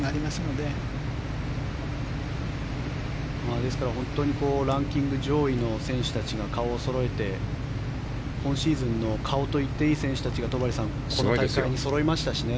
ですから、本当にランキング上位の選手たちが顔をそろえて今シーズンの顔と言っていい選手たちが戸張さん、この大会にそろいましたしね。